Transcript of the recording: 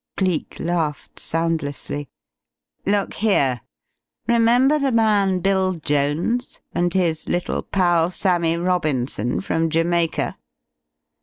Cleek laughed soundlessly. "Look here. Remember the man Bill Jones, and his little pal Sammie Robinson, from Jamaica?"